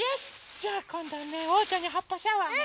じゃあこんどはねおうちゃんにはっぱシャワーね。